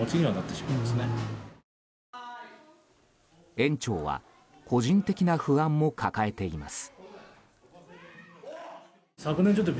園長は個人的な不安も抱えています。